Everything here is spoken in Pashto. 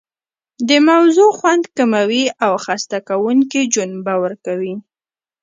د موضوع خوند کموي او خسته کوونکې جنبه ورکوي.